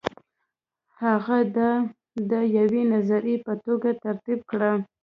هغه دا د یوې نظریې په توګه ترتیب کړه.